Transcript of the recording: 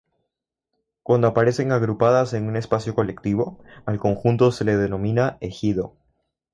Cuando aparecen agrupadas en un espacio colectivo, al conjunto se le denomina "ejido".